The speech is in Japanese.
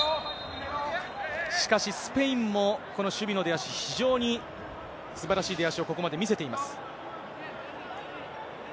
しかし、スペインも、この守備の出足、非常にすばらしい出足を、ここまで見せています。